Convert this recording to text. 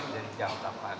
dari jam delapan